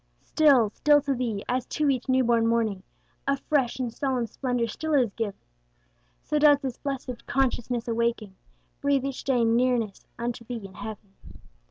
Still, still to Thee, as to each new born morning, A fresh and solemn splendor still is giv'n, So does this blessed consciousness awaking, Breathe each day nearness unto Thee and heav'n.